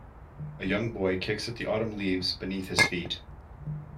A young boy kicks at the autumn leaves beneath his feet.